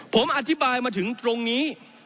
ผมอธิบายมาถึงตรงนี้